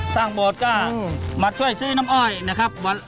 โบสถ์ก็มาช่วยซื้อน้ำอ้อยนะครับ